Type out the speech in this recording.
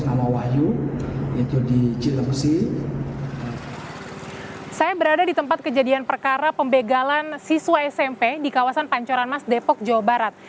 saya berada di tempat kejadian perkara pembegalan siswa smp di kawasan pancoran mas depok jawa barat